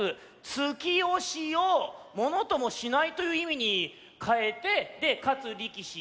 突きおしをものともしないといういみにかえてで「勝つ力士」。